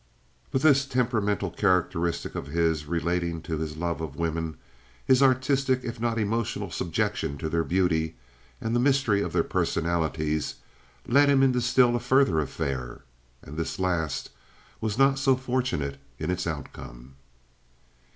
But this temperamental characteristic of his relating to his love of women, his artistic if not emotional subjection to their beauty, and the mystery of their personalities led him into still a further affair, and this last was not so fortunate in its outcome.